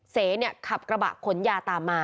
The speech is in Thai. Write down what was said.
เสขับกระบะขนยาตามมา